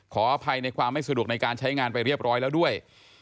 ขออภัยในความไม่สะดวกในการใช้งานไปเรียบร้อยแล้วด้วย